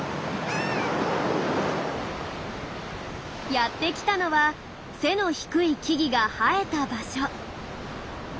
やってきたのは背の低い木々が生えた場所。